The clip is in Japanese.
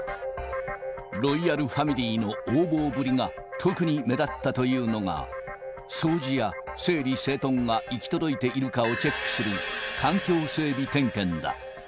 ロイヤルファミリーの横暴ぶりが特に目立ったというのが、掃除や整理整頓が行き届いているかをチェックする環境整備点検だ。